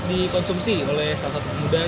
dikonsumsi oleh salah satu pemuda